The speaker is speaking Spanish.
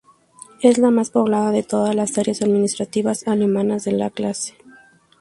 Es la más poblada de todas las áreas administrativas alemanas de la clase.